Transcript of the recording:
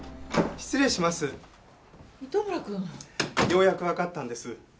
ようやくわかったんです。